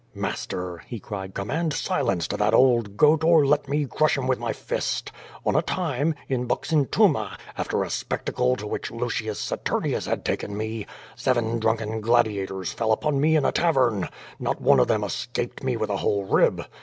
^^Master," he cried, "command silence to that old goat or let me crush him with my fist. On a time, in Buxentuma, after a spectacle to which Lucius Satumius had taken me, seven drunken gladiators fell upon me at a tavern. Not one of them esca^^cd me with a whole rib.